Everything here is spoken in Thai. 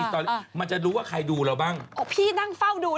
ทำจบรายการแล้วลองเล่น